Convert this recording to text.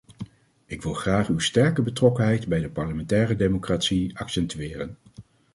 Ik wil graag uw sterke betrokkenheid bij de parlementaire democratie accentueren.